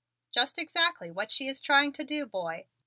"Just exactly what she is trying to do, boy.